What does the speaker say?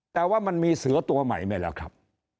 แต่ว่ามันมีเสือตัวใหม่ไหมล่ะครับ